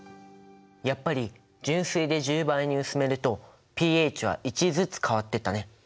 やっぱり純水で１０倍に薄めるとｐＨは１ずつ変わっていったね。